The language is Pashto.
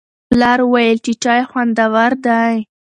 پلار وویل چې چای خوندور دی.